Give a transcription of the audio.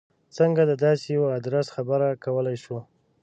څنګه د داسې یوه ادرس خبره کولای شو.